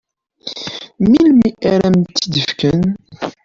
Melmi ara am-t-id-fken?